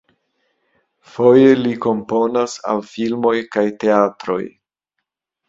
Foje li komponas al filmoj kaj teatroj.